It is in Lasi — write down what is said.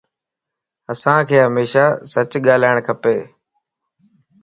اسانک ھميشا سچ ڳالھائڻ کپ